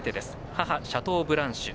母、シャトーブランシュ。